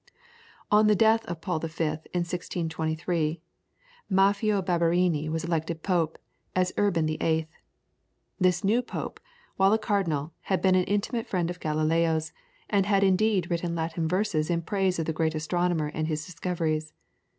On the death of Paul V. in 1623, Maffeo Barberini was elected Pope, as Urban VIII. This new Pope, while a cardinal, had been an intimate friend of Galileo's, and had indeed written Latin verses in praise of the great astronomer and his discoveries.